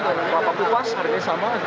kelapa kupas harganya sama